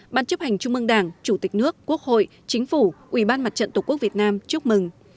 ban chấp hành trung mương đảng chủ tịch nước quốc hội chính phủ ủy ban mặt trận tổ quốc việt nam chúc mừng